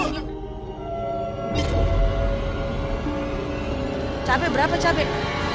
capek berapa capek